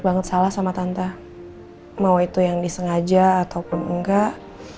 banget salah sama tante mau itu yang disengaja ataupun enggak